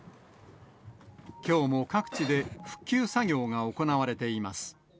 きょうも各地で復旧作業が行われています。